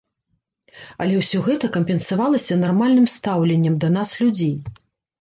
Але ўсё гэта кампенсавалася нармальным стаўленнем да нас людзей.